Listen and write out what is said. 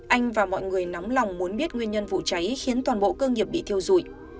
anh và mọi người nóng lòng muốn biết nguyên nhân vụ cháy khiến toàn bộ cơ nghiệp bị thiêu rụi